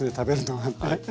はい。